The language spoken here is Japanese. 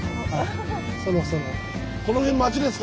この辺町ですか？